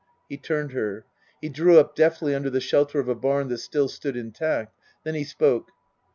He turned her. He drew up deftly under the shelter of a barn that still stood intact. Then he spoke.